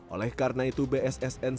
oleh karena itu bssn